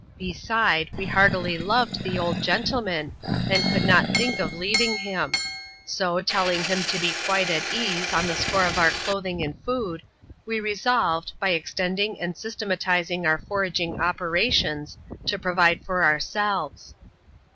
Beside, we heartily loved the old gentleman, and could not think of leaving him ; so, telling him to be quite at ease on the score of our clothing and foo^ we resolved, by extending and systematising our foraging ope rations, to provide for ourselves.